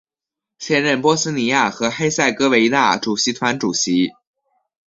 现任波斯尼亚和黑塞哥维那主席团主席。